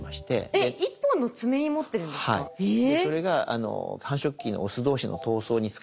えっ１本の爪に持ってるんですか？はい。えっ。